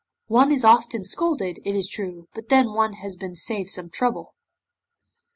One is often scolded, it is true, but then one has been saved some trouble.